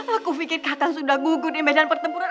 aku pikir kakak sudah gugur di medan pertempuran